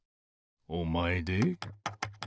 おまえで？